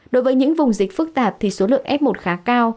đối với những vùng dịch phức tạp thì số lượng f một khá cao